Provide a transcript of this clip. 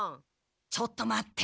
ちょっと待って。